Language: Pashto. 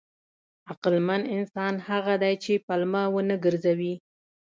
عقلمن انسان هغه دی چې پلمه ونه ګرځوي.